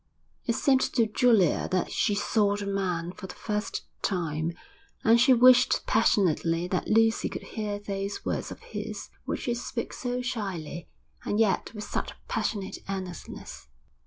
It seemed to Julia that she saw the man for the first time, and she wished passionately that Lucy could hear those words of his which he spoke so shyly, and yet with such a passionate earnestness.